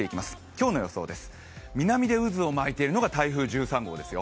今日の予想です、南で渦を巻いているのが台風１３号ですよ。